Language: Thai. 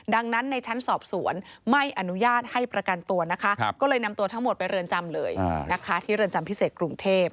ดังนั้นในชั้นสอบสวนไม่อนุญาตให้ประกันตัวนะคะก็เลยนำตัวทั้งหมดไปเรือนจำเลยนะคะที่เรือนจำพิเศษกรุงเทพ